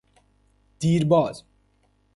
دیر باز